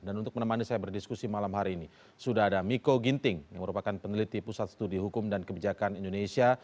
dan untuk menemani saya berdiskusi malam hari ini sudah ada miko ginting yang merupakan peneliti pusat studi hukum dan kebijakan indonesia